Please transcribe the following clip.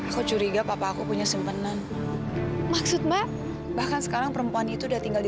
sampai jumpa di video selanjutnya